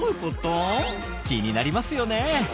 気になりますよね。